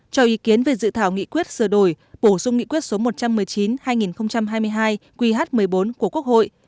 cho ý kiến về dự thảo nghị quyết sửa đổi bổ sung nghị quyết số một trăm một mươi chín hai nghìn hai mươi hai qh một mươi bốn của quốc hội